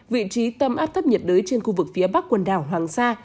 vị trí tâm áp thấp nhiệt đới trên khu vực phía bắc quần đảo hoàng sa